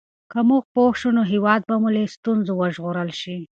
که موږ پوه شو نو هېواد به مو له ستونزو وژغورل شي.